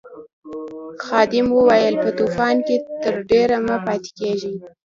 خادم وویل په طوفان کې تر ډېره مه پاتې کیږئ.